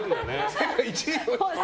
世界１位に。